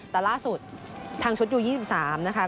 แต่ล่าสุดทางชุดยู๒๓นะคะ